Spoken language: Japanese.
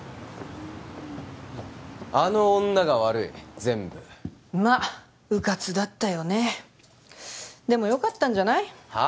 あの女が悪い全部まっうかつだったよねでもよかったんじゃない？は？